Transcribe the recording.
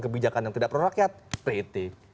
kebijakan yang tidak pro rakyat patt